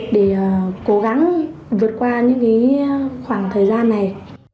để cố gắng vượt qua những khoảng thời gian này